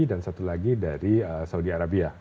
dan satu lagi dari saudi arabia